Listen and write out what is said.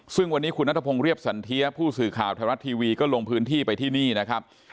ซึ่งวันนี้คุณนัทพงศ์เรียบสันเทียผู้สื่อข่าวไทยรัฐทีวีก็ลงพื้นที่ไปที่นี่นะครับ